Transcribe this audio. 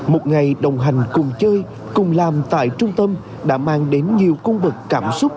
một ngày đồng hành cùng chơi cùng làm tại trung tâm đã mang đến nhiều cung bậc cảm xúc